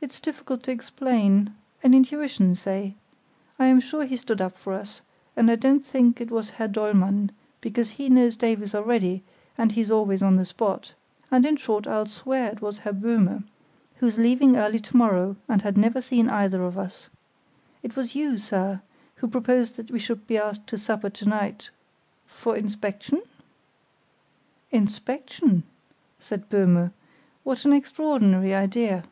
"It's difficult to explain—an intuition, say—I am sure he stood up for us; and I don't think it was Herr Dollmann, because he knows Davies already, and he's always on the spot; and, in short I'll swear it was Herr Böhme, who is leaving early to morrow, and had never seen either of us. It was you, sir, who proposed that we should be asked to supper to night—for inspection?" "Inspection?" said Böhme; "what an extraordinary idea!"